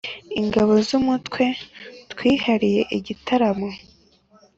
ingabo z'umutwe twiharira igitaramo